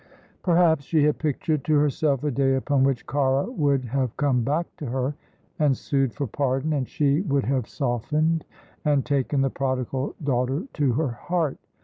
Perhaps she had pictured to herself a day upon which Cara would have come back to her and sued for pardon, and she would have softened, and taken the prodigal daughter to her heart.